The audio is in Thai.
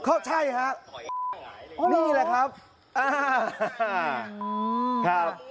เข้าใจครับนี่แหละครับอ่าครับ